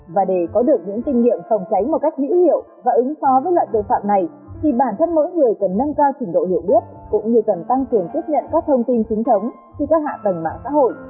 và để có được những kinh nghiệm phòng tránh một cách hữu hiệu và ứng phó với loại tội phạm này thì bản thân mỗi người cần nâng cao trình độ hiểu biết cũng như cần tăng cường tiếp nhận các thông tin chính thống trên các hạ tầng mạng xã hội